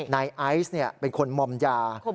นายไอซ์เป็นคนมอมยา